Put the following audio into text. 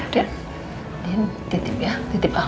din titip ya titip al ya